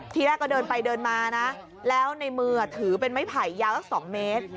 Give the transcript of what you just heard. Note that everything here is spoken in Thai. ทีแรกก็เดินไปเดินมานะแล้วในมือถือเป็นไม้ไผ่ยาวสัก๒เมตร